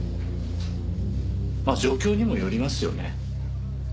まあ状況にもよりますよね。